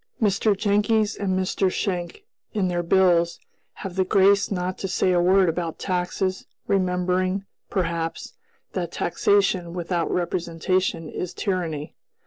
Mr. Jenckes and Mr. Schenck, in their bills, have the grace not to say a word about taxes, remembering, perhaps, that 'taxation without representation is tyranny.'